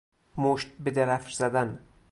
مشت بدرفش زدن